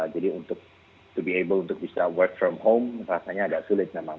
jadi untuk bisa bekerja dari rumah rasanya agak sulit memang